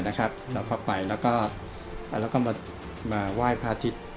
เราพาไปแล้วก็มาว่ายพระอาทิตย์